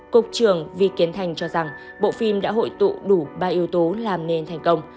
cục trường vi kiến thành cho rằng bộ phim đã hội tụ đủ ba yếu tố làm nên thành công